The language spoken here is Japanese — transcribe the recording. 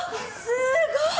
すごい。